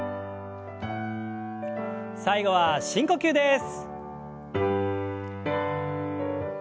最後は深呼吸です。